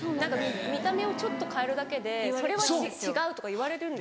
見た目をちょっと変えるだけで「それは違う」とか言われるんです。